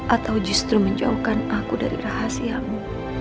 atau justru menjauhkan aku dari rahasiamu